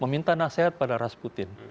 meminta nasihat pada rasputin